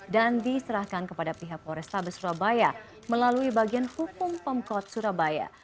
dan diserahkan kepada pihak polrestabes surabaya melalui bagian hukum pemkot surabaya